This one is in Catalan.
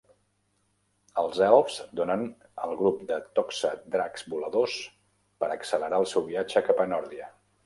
Els elfs donen al grup de Toxa dracs voladors per accelerar el seu viatge cap a Nordia.